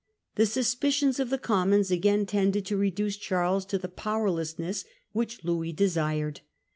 The suspicions of the Commons again tended to reduce Charles to the powerlessness which Louis desired.